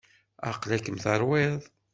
Aqla-kem terwiḍ.